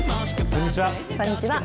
こんにちは。